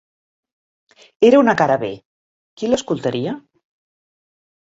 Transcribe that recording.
Era una cara B: qui l'escoltaria?